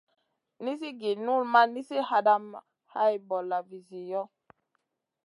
Nizi gi null ma nizi hadamèh hay bolla vizi yoh.